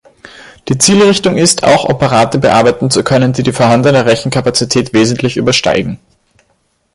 Die Zielrichtung ist, auch Operate bearbeiten zu können, die die vorhandene Rechenkapazität wesentlich übersteigen.